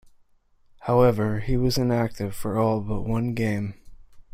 However, he was inactive for all but one game.